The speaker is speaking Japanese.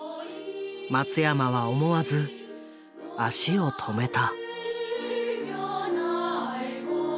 松山は思わず足を止めた。